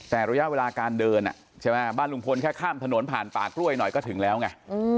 แต่ระยะเวลาการเดินใช่ไหมบ้านลุงพลแค่ข้ามถนนผ่านป่ากล้วยหน่อยก็ถึงแล้วไง